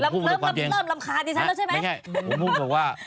เริ่มรำคาญในฉันแล้วใช่ไหม